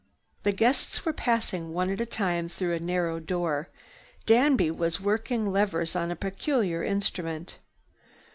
The guests were passing one at a time through a narrow door. Danby was working levers on a peculiar instrument.